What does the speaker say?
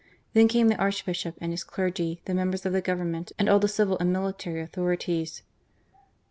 Then came the Archbishop and his clergy, the members of the Government, and all the civil and military authorities.